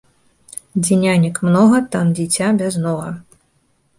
Дзе нянек многа, там дзiця бязнога